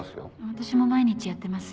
私も毎日やってます。